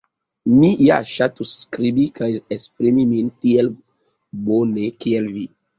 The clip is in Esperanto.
Mi ja ŝatus skribi kaj esprimi min tiel bone kiel vi.